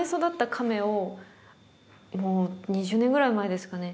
もう２０年ぐらい前ですかね